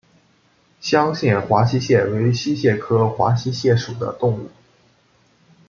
绛县华溪蟹为溪蟹科华溪蟹属的动物。